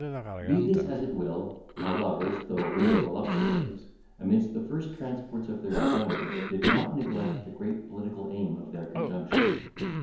Be this as it will, our lovers, though real voluptuaries, amidst the first transports of their enjoyment did not neglect the great political aim of their conjunction.